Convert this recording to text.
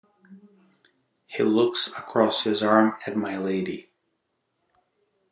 He looks across his arm at my Lady.